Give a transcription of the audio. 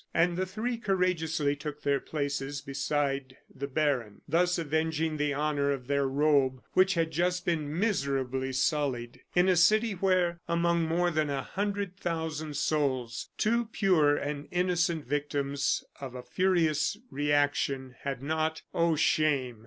And the three courageously took their places beside the baron, thus avenging the honor of their robe which had just been miserably sullied, in a city where, among more than a hundred thousand souls, two pure and innocent victims of a furious reaction had not oh, shame!